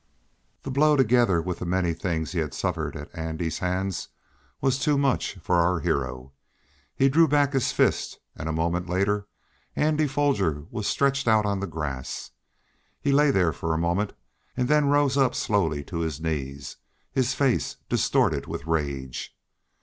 The blow, together with the many things he had suffered at Andy's hands, was too much for our hero. He drew back his fist, and a moment later Andy Foger was stretched out on the grass. He lay there for a moment, and then rose up slowly to his knees, his face distorted with rage.